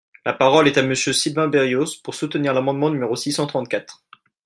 La parole est à Monsieur Sylvain Berrios, pour soutenir l’amendement numéro six cent trente-quatre.